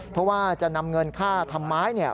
เพราะว่าจะนำเงินค่าทำไม้